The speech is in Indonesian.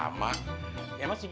ya emang si jonny kemana sih